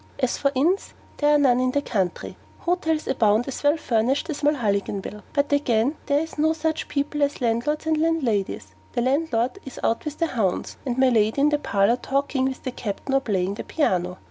As for Inns, there are none in the country; Hotels abound as well furnished as Mulholliganville; but again there are no such people as landlords and land ladies; the landlord is out with the hounds, and my lady in the parlour talking with the Captain or playing the piano.